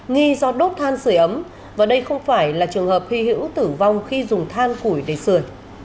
nghi do đốt than sửa ấm và đây không phải là trường hợp hy hữu tử vong khi dùng than củi để sửa